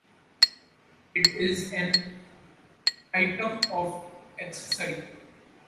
It is an item of accessory.